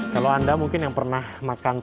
terima kasih pak wild veo disebut alfie